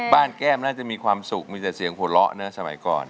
แก้มน่าจะมีความสุขมีแต่เสียงหัวเราะนะสมัยก่อน